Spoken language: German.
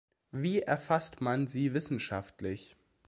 Wie erfasst man sie wissenschaftlich?